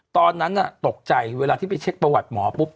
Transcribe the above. ตอนนั้นตกใจเวลาที่ไปเช็คประวัติหมอปุ๊บ